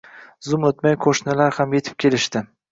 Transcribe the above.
Zum o`tmay, qo`shnilar ham etib kelishdi